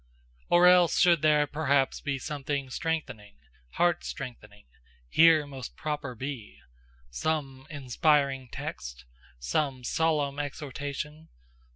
Or else should there perhaps Something strengthening, heart strengthening, Here most proper be? Some inspiring text? Some solemn exhortation?